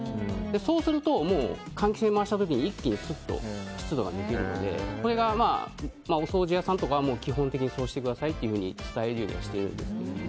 そうすると換気扇を回した時に一気にすっと湿度が抜けるのでこれがお掃除屋さんとかは基本的にそうしてくださいと伝えるようにしています。